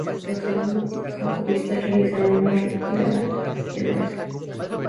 Los jacobitas realizaron una retirada en orden.